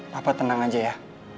papa tenang aja ya